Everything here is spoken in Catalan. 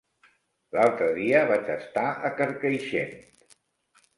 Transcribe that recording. L'altre dia vaig estar a Carcaixent.